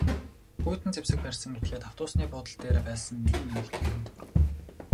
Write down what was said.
Хүйтэн зэвсэг барьсан этгээд автобусны буудал дээр байсан нэгэн эмэгтэйн аминд хүрэв.